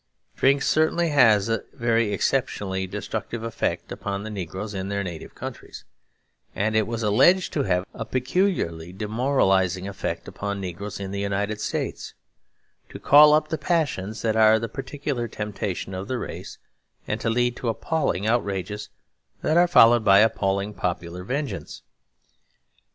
Drink certainly has a very exceptionally destructive effect upon negroes in their native countries; and it was alleged to have a peculiarly demoralising effect upon negroes in the United States; to call up the passions that are the particular temptation of the race and to lead to appalling outrages that are followed by appalling popular vengeance.